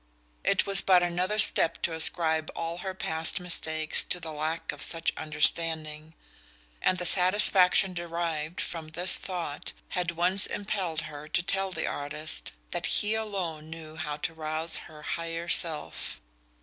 It was but another step to ascribe all her past mistakes to the lack of such understanding; and the satisfaction derived from this thought had once impelled her to tell the artist that he alone knew how to rouse her 'higher self.'